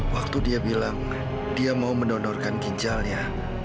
waktu dia bilang dia mau mendonorkan ginjalnya